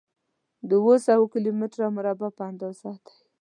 د اووه سوه کيلو متره مربع په اندازه دی.